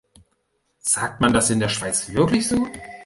Sagt man das in der Schweiz wirklich so?